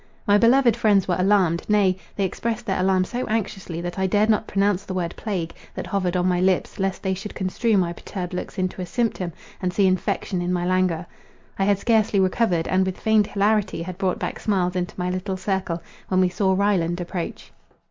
My beloved friends were alarmed—nay, they expressed their alarm so anxiously, that I dared not pronounce the word plague, that hovered on my lips, lest they should construe my perturbed looks into a symptom, and see infection in my languor. I had scarcely recovered, and with feigned hilarity had brought back smiles into my little circle, when we saw Ryland approach.